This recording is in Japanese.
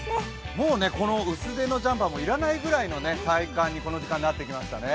もうこの薄手のジャンパーも要らないぐらいの体感になってきましたね。